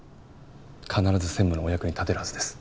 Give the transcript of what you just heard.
必ず専務のお役に立てるはずです。